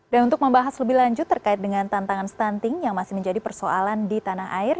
dan untuk membahas lebih lanjut terkait dengan tantangan stunting yang masih menjadi persoalan di tanah air